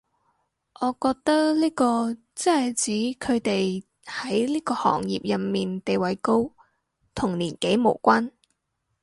我覺得呢個即係指佢哋喺呢個行業入面地位高，同年紀無關